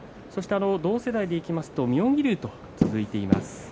同世代でいきますと妙義龍と続いています。